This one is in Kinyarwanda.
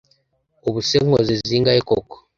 Ubuse nkoze zingahe koko